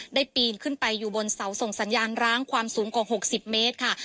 ปีนขึ้นไปอยู่บนเสาส่งสัญญาณร้างความสูงกว่า๖๐เมตรค่ะ